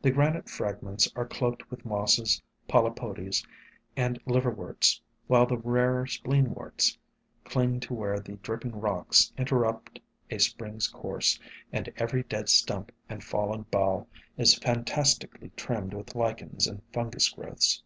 The granite fragments are cloaked with Mosses, Polypodies, and Liverworts, while the rarer Spleen worts cling to where the dripping rocks interrupt a spring's course, and every dead stump and fallen bough SOME HUMBLE ORCHIDS 153 is fantastically trimmed with Lichens and fungus growths.